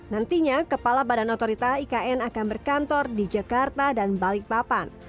nantinya kepala badan otorita ikn akan berkantor di jakarta dan balikpapan